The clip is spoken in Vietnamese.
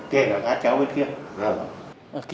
kể cả các cháu bên kia